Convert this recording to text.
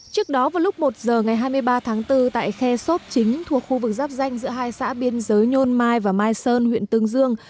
trước đó vào lúc một giờ ngày hai mươi ba tháng bốn tại khe sốt chính thuộc khu vực giáp danh giữa hai xã biên giới nhôn mai và mai sơn huyện tương dương